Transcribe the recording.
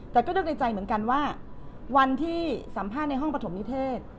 แต่ก็นึกในใจเหมือนกันว่าวันที่สัมภาษณ์ในห้องปฐมนิเทศ